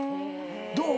どう？